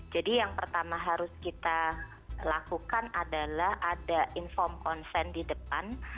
jadi yang pertama harus kita lakukan adalah ada inform konsen di depan